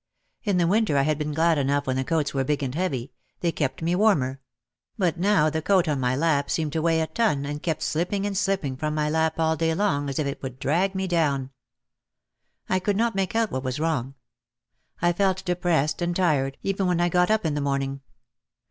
In the winter I had been glad enough when the coats were big and heavy. They kept me warmer. But now the coat on my lap seemed to weigh a ton and kept slipping and slipping from my lap all day long as if it would drag me down. I could not make out what was wrong. I felt depressed and tired even when I got up in the morning.